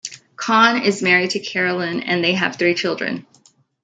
Conn is married to Caroline, and they have three children.